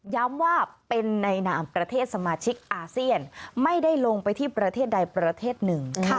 ย้ำว่าเป็นในนามประเทศสมาชิกอาเซียนไม่ได้ลงไปที่ประเทศใดประเทศหนึ่ง